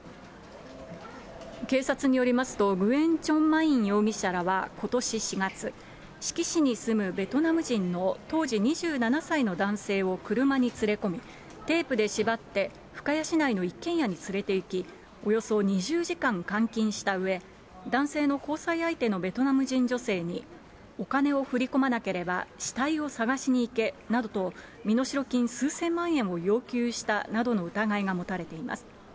警察によりますと、グエン・チョン・マイン容疑者らはことし４月、志木市に住むベトナム人の当時２７歳の男性を車に連れ込み、テープで縛って深谷市内の一軒家に連れていき、およそ２０時間監禁したうえ、男性の交際相手のベトナム人女性に、お金を振り込まなければ、死体を探しに行けなどと、身代金数千万円を要求したなどの疑いが持たれています。